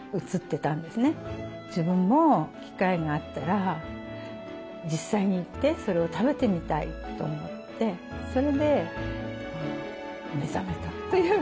自分も機会があったら実際に行ってそれを食べてみたいと思ってそれで目覚めたということですね。